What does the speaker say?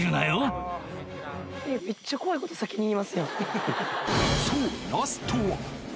めっちゃ怖いこと先に言いまそう、ラストは。